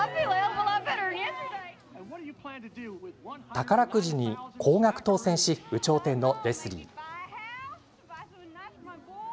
宝くじに高額当せんして有頂天のレスリー。